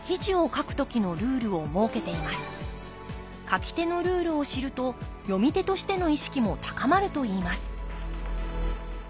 書き手のルールを知ると読み手としての意識も高まるといいます